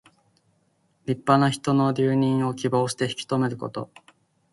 立派な人の留任を希望して引き留めること。